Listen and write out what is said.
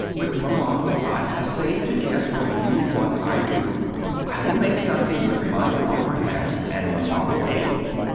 With Maman I essay to guess what you want I do. I will make something with my proper hands, and Maman will aid.